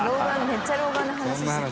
めっちゃ老眼の話してる。